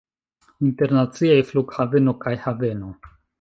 Internaciaj flughaveno kaj haveno.